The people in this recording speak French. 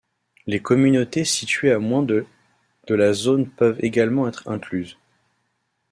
Les communautés situées à moins de de la zone peuvent également être incluses.